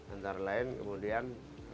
antara lain kemudian